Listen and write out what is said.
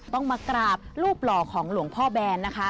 ต้องมากราบรูปหล่อของหลวงพ่อแบนนะคะ